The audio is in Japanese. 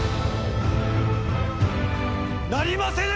なりませぬ！